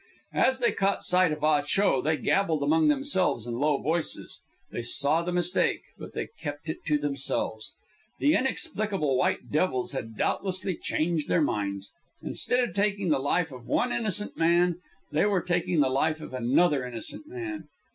As they caught sight of Ah Cho they gabbled among themselves in low voices. They saw the mistake; but they kept it to themselves. The inexplicable white devils had doubtlessly changed their minds. Instead of taking the life of one innocent man, they were taking the life of another innocent man.